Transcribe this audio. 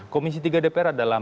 komisi tiga dpr adalah